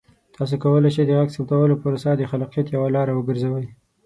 تاسو کولی شئ د غږ ثبتولو پروسه د خلاقیت یوه لاره وګرځوئ.